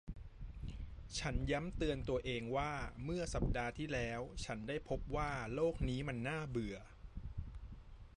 ฉันย้ำเตือนตัวเองว่าเมื่อสัปดาห์ที่แล้วฉันได้พบว่าโลกนี้มันน่าเบื่อ